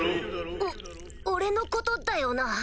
お俺のことだよな？